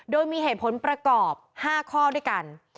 โดยมีเหตุผลประกอบ๕ข้อด้วยกัน